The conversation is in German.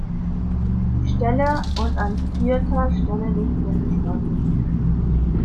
Stelle und an vierter Stelle des Bundesstaates.